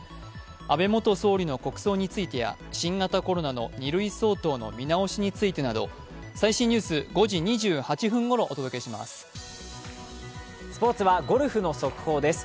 安倍元総理の国葬についてや新型コロナウイルスの２類相当の見直しについてなど最新ニュースは５時２８分ころお送りします。